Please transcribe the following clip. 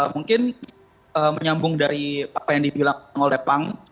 mungkin menyambung dari apa yang dibilang oleh pang